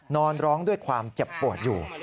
นอนร้องด้วยความเจ็บปวดอยู่